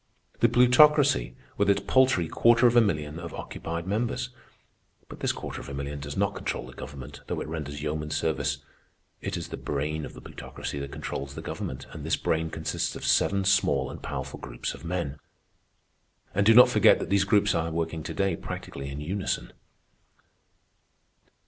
The Plutocracy, with its paltry quarter of a million of occupied members. But this quarter of a million does not control the government, though it renders yeoman service. It is the brain of the Plutocracy that controls the government, and this brain consists of seven small and powerful groups of men. And do not forget that these groups are working to day practically in unison.